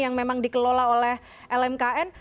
yang memang dikelola oleh lmkn